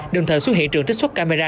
đồng thời xuất hiện trường trích xuất camera